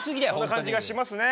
そんな感じがしますね。